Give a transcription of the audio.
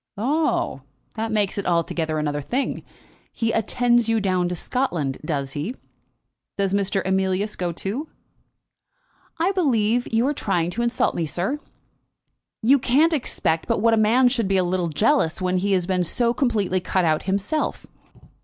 "Oh h. That makes it altogether another thing. He attends you down to Scotland; does he? Does Mr. Emilius go too?" "I believe you are trying to insult me, sir." "You can't expect but what a man should be a little jealous, when he has been so completely cut out himself.